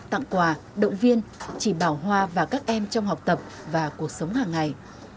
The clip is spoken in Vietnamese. tặng quà động viên chỉ bảo hoa và các em trong học tập và cuộc sống hàng ngày